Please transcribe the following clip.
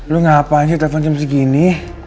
lu ngapain sih telepon jam segini